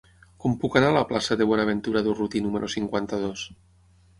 Com puc anar a la plaça de Buenaventura Durruti número cinquanta-dos?